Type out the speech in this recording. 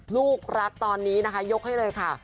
ลูกรักตอนนี้นะคะยกให้เลยค่ะ